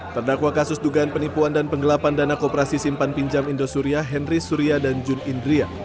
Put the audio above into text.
terdakwa kasus dugaan penipuan dan penggelapan dana kooperasi simpan pinjam indosuria henry surya dan jun indria